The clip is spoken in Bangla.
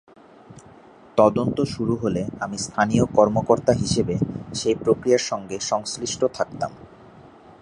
তদন্ত শুরু হলে আমি স্থানীয় কর্মকর্তা হিসেবে সেই প্রক্রিয়ার সঙ্গে সংশ্লিষ্ট থাকতাম।